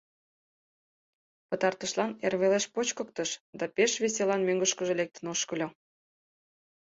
Пытартышлан эр велеш почкыктыш да пеш веселан мӧҥгышкыжӧ лектын ошкыльо.